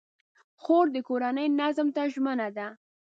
خور د کورنۍ نظم ته ژمنه ده.